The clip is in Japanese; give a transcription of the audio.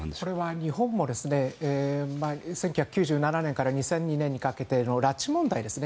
日本も１９９７年から２００２年にかけ拉致問題ですね。